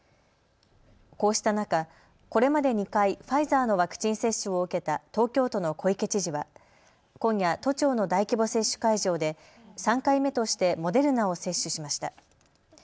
こうした中、これまで２回、ファイザーのワクチン接種を受けた東京都の小池知事は今夜、都庁の大規模接種会場で３回目としてモデルナを接種しました。